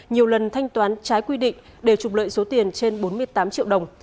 nhiều lần thanh toán trái quy định để trục lợi số tiền trên bốn mươi tám triệu đồng